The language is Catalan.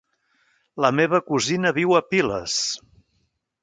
La meva cosina viu a Piles.